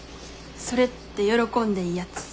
それって喜んでいいやつ？